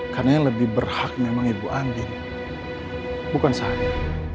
karena yang lebih berhak memang ibu andin bukan saya